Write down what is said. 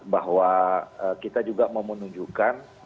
bahwa kita juga mau menunjukkan